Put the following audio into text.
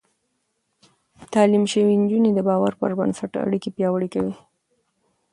تعليم شوې نجونې د باور پر بنسټ اړيکې پياوړې کوي.